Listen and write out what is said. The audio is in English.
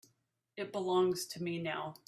It belongs to me now.